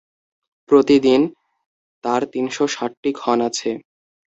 প্রতি দিন তাঁর তিনশ ষাটটি ক্ষণ আছে।